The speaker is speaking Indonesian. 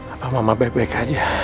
apa mama baik baik aja